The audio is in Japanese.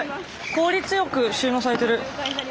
効率よく収納されてる。